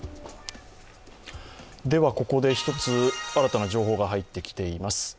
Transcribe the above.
ここで１つ、新たな情報が入ってきています。